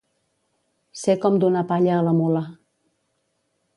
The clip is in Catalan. Ser com donar palla a la mula.